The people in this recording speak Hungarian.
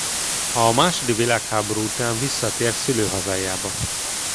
A második világháború után visszatért szülőhazájába.